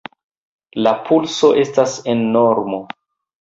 La pulso estas en normo.